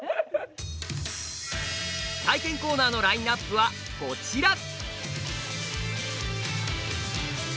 体験コーナーのラインナップはこちら。